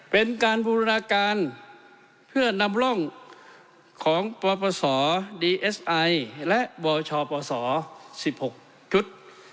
เป็นการบูรณาการเพื่อนำร่องของปปศดีเอสไอและบชปศ๑๖ชุด